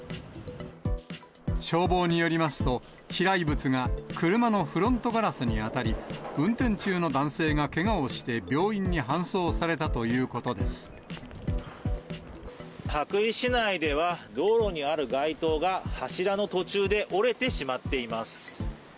消防によりますと、飛来物が車のフロントガラスに当たり、運転中の男性がけがをして羽咋市内では、道路にある街灯が柱の途中で折れてしまっています。